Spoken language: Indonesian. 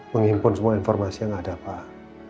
menghimpun semua informasi yang ada pak